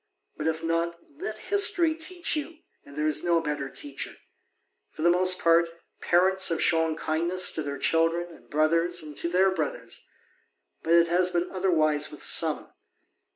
But, if not, let history teach you, and there is no better teacher. For the most part, parents have shown kindness to their children and brothers to their brothers, but it has been otherwise with some.